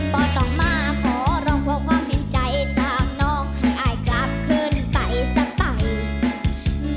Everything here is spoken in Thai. ก็ต้องมาขอร้องขอความเห็นใจจากน้องให้กลับขึ้นไปสักไป